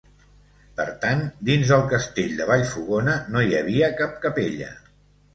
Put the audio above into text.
Per tant, dins del castell de Vallfogona no hi havia cap capella.